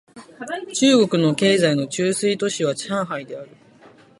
中国の経済の中枢都市は上海である